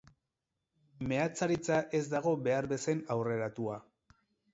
Meatzaritza ez dago behar bezain aurreratua.